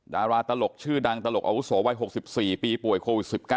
ดาราตลกชื่อดังตลกอาวุโสวัย๖๔ปีป่วยโควิด๑๙